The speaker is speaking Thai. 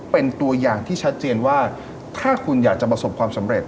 เป็นตัวอย่างที่ชัดเจนว่าถ้าคุณอยากจะประสบความสำเร็จ